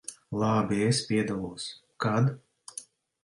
Labi, es piedalos. Kad?